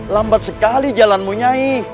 lambat sekali jalanmu nyai